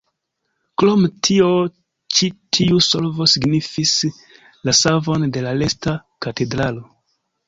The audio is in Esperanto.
Krom tio ĉi tiu solvo signifis la savon de la resta katedralo.